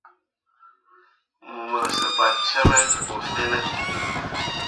Mu ma sebal cemme te bu fin.